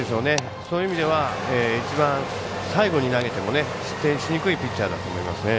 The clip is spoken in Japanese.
そういう意味では一番、最後に投げても失点しにくいピッチャーだと思いますね。